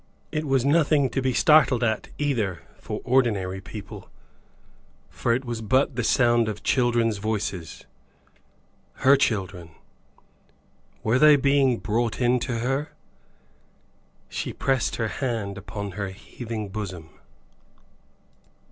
It was nothing to be startled at either for ordinary people for it was but the sound of children's voices. Her children! Were they being brought in to her? She pressed her hand upon her heaving bosom.